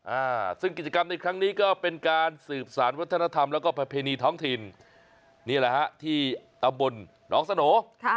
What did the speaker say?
อ่าซึ่งกิจกรรมในครั้งนี้ก็เป็นการสืบสารวัฒนธรรมแล้วก็ประเพณีท้องถิ่นนี่แหละฮะที่ตำบลหนองสโนค่ะ